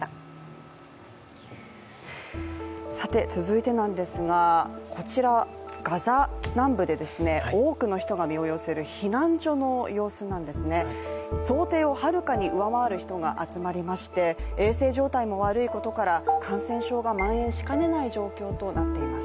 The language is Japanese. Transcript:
続いてなんですが、こちら、ガザ南部で多くの人が身を寄せる避難所の様子なんですね想定をはるかに上回る人が集まりまして衛生状態も悪いことから感染症がまん延しかねない状況となっています